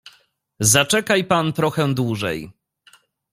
"Zaczekaj pan trochę dłużej."